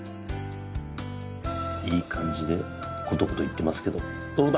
いい感じでコトコトいってますけどどうだ？